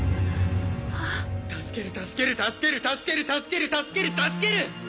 助ける助ける助ける助ける助ける助ける助ける！